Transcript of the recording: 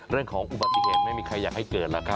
เรื่องของอุบัติเหตุไม่มีใครอยากให้เกิดหรอกครับ